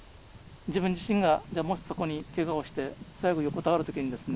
自分自身がもしそこにけがをして最後横たわる時にですね